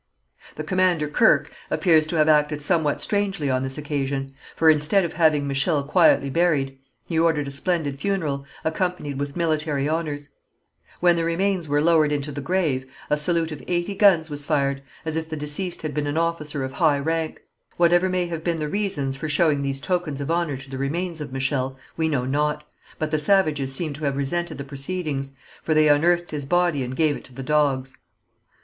The commander Kirke appears to have acted somewhat strangely on this occasion, for instead of having Michel quietly buried, he ordered a splendid funeral, accompanied with military honours. When the remains were lowered into the grave, a salute of eighty guns was fired, as if the deceased had been an officer of high rank. Whatever may have been the reasons for showing these tokens of honour to the remains of Michel, we know not, but the savages seem to have resented the proceedings, for they unearthed his body and gave it to the dogs.